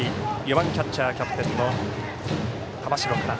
４番キャッチャーキャプテンの玉城から。